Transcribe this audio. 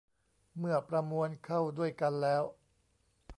เมื่อประมวลเข้าด้วยกันแล้ว